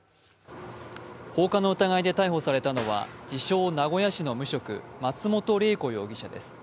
放火の疑いで逮捕されたのは自称・名古屋市の無職、松本玲子容疑者です。